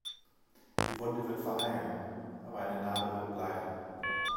Die Wunde wird verheilen, aber eine Narbe wird bleiben.